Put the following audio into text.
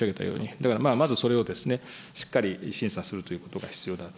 だからまあ、まずそれを、しっかり審査するということが必要だと。